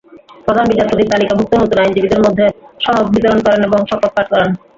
প্রধান বিচারপতি তালিকাভুক্ত নতুন আইনজীবীদের মধ্যে সনদ বিতরণ করেন এবং শপথ পাঠ করান।